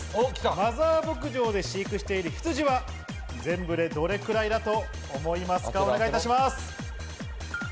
マザー牧場で飼育している羊は全部でどれくらいだと思いますか？